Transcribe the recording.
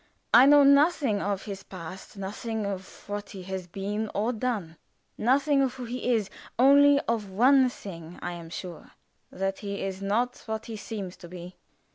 I know nothing of his past nothing of what he has been or done; nothing of who he is only of one thing I am sure that he is not what he seems to be.